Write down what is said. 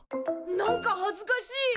なんかはずかしい！